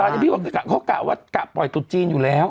ตอนนี้พี่ว่าเขากะว่ากะปล่อยตุดจีนอยู่แล้ว